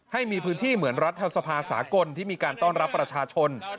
ให้มีพื้นที่เหมือนรัฐสภาสากลที่มีการต้อนรับประชาชน